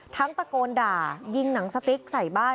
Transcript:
ตะโกนด่ายิงหนังสติ๊กใส่บ้าน